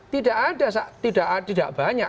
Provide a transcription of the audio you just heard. tidak ada tidak banyak